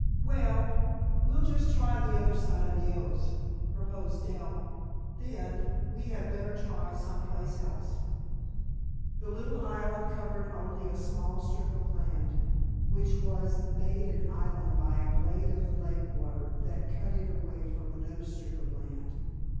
"Well, we'll just try the other side of the oaks," proposed Dell, "then, we had better try some place else." The little island covered only a small strip of land, which was made an island by a blade of the lake water that cut it away from another strip of land.